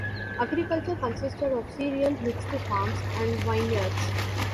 Agriculture consisted of cereal, mixed farms and vineyards.